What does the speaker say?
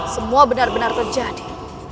semua benar benar terjadi